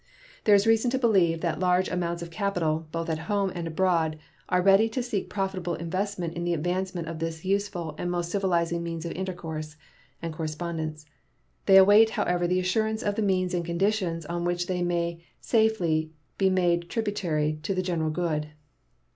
There is reason to believe that large amounts of capital, both at home and abroad, are ready to seek profitable investment in the advancement of this useful and most civilizing means of intercourse and correspondence. They await, however, the assurance of the means and conditions on which they may safely be made tributary to the general good.